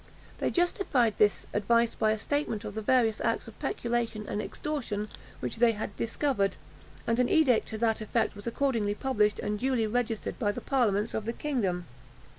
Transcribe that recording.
They justified, this, advice by a statement of the various acts of peculation and extortion which they had discovered; and an edict to that effect was accordingly published and duly registered by the parliaments of the kingdom.